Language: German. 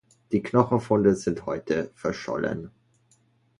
Die Knochenfunde sind heute verschollen.